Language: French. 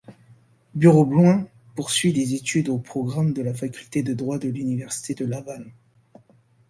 Bureau-Blouin poursuit des études au programme de la faculté de droit de l'Université Laval.